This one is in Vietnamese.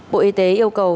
bộ y tế yêu cầu